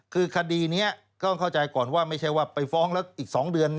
คือคดีนี้ต้องเข้าใจก่อนว่าไม่ใช่ว่าไปฟ้องแล้วอีก๒เดือน